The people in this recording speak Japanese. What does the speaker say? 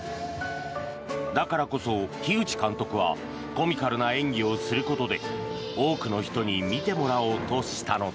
だからこそ、樋口監督はコミカルな演技をすることで多くの人に見てもらおうとしたのだ。